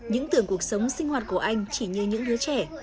những tưởng cuộc sống sinh hoạt của anh chỉ như những đứa trẻ